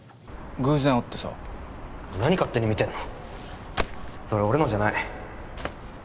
偶然会ってさ何勝手に見てんのそれ俺のじゃない